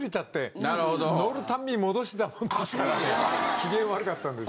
機嫌悪かったんですよ。